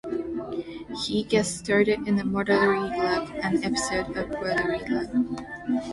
He guest-starred in "Motherly Love", an episode of "Brotherly Love".